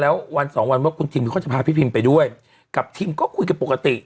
แล้ววันสองวันว่าคุณทิมเขาจะพาพี่พิมไปด้วยกับทีมก็คุยกันปกติ